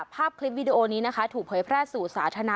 ภาพคลิปวิดีโอนี้นะคะถูกเผยแพร่สู่สาธารณะ